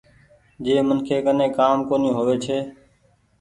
جنهن منکي ڪني ڪآم ڪونيٚ هووي ڇي۔